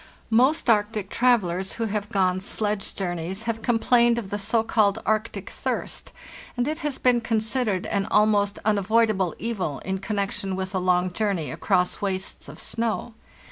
Most Arctic travellers who have gone sledge journeys have complained of the so called Arctic thirst, and it has been considered an almost unavoidable evil in connection with a long journey across wastes of snow.